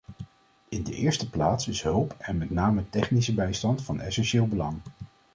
In de eerste plaats is hulp, en met name technische bijstand, van essentieel belang.